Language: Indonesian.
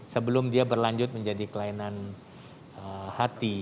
sebelum dia berlanjut menjadi kelainan hati